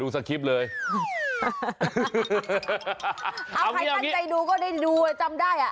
เอะพอยิเตมการรายการใจดูก็ได้ดูจำได้